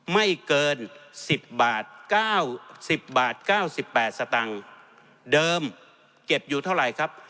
ไม่เกินสิบบาทเก้าสิบบาทเก้าสิบแปดสตังค์เดิมเก็บอยู่เท่าไรครับ